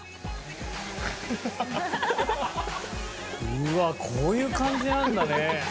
うわこういう感じなんだね。